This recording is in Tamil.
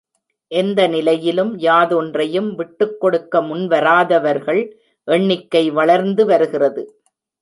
எந்த நிலையிலும் யாதொன்றையும் விட்டுக் கொடுக்க முன்வராதவர்கள் எண்ணிக்கை வளர்ந்து வருகிறது.